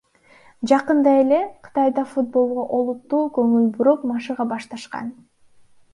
Жакында эле Кытайда футболго олуттуу көңүл буруп машыга башташкан.